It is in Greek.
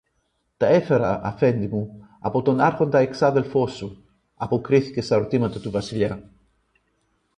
Τα έφερα, Αφέντη μου, από τον Άρχοντα εξάδελφο σου, αποκρίθηκε στα ρωτήματα του Βασιλιά.